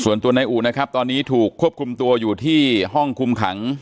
ส่วนตัวในอู่ตอนนี้ถูกควบคลุมตัวอยู่ที่ห้องคลุมคัง